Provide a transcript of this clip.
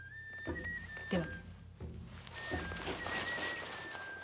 では。